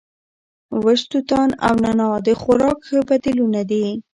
وچ توتان او نعناع د خوراک ښه بدیلونه دي.